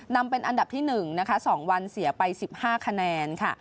นำเป็นอันดับที่๑นะคะ๒วันเสียไป๑๕คะแนนค่ะ